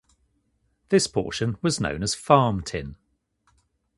This portion was known as farm tin.